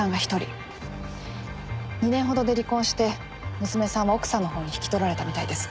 ２年ほどで離婚して娘さんは奥さんのほうに引き取られたみたいです。